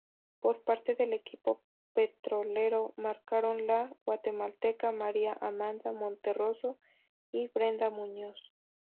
Por parte del equipo petrolero marcaron la guatemalteca María Amanda Monterroso y Brenda Muñoz.